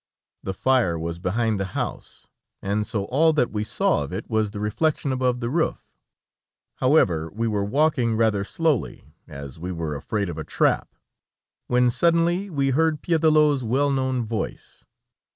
The fire was behind the house, and so all that we saw of it was the reflection above the roof. However, we were walking rather slowly, as we were afraid of a trap, when suddenly we heard Piédelot's well known voice.